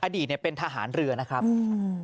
อดีตเนี่ยเป็นทหารเรือนะครับอืม